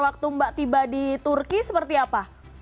waktu mbak tiba di turki seperti apa